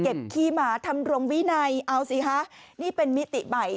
ขี้หมาทำรงวินัยเอาสิคะนี่เป็นมิติใหม่